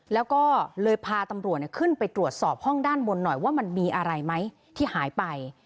แล้วก็เลยพาตำรวจขึ้นไปตรวจสอบห้องด้านบนหน่อยว่ามันมีอะไรไหมที่หายไป